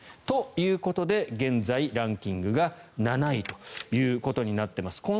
ということで、現在ランキングが７位ということになっています。